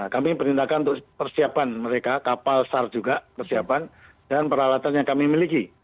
kami perintahkan untuk persiapan mereka kapal sar juga persiapan dan peralatan yang kami miliki